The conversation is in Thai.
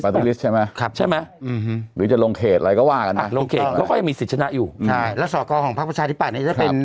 พื้นที่ได้ง่ายด้วยครับครับคุณฮะจะต้องปล่อยให้คุณเป็น